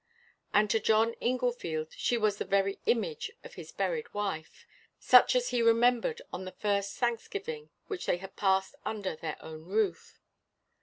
And to John Inglefield she was the very image of his buried wife, such as he remembered on the first Thanksgiving which they had passed under their own roof.